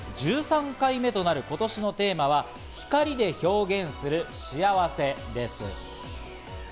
１３回目となる今年のテーマは、光で表現する幸せです。